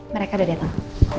mereka udah datang